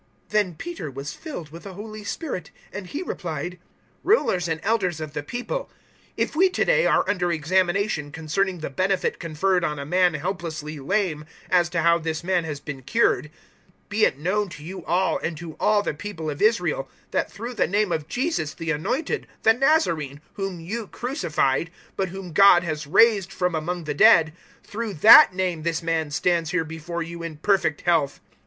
004:008 Then Peter was filled with the Holy Spirit, and he replied, "Rulers and Elders of the people, 004:009 if we to day are under examination concerning the benefit conferred on a man helplessly lame, as to how this man has been cured; 004:010 be it known to you all, and to all the people of Israel, that through the name of Jesus the Anointed, the Nazarene, whom *you* crucified, but whom *God* has raised from among the dead through that name this man stands here before you in perfect health.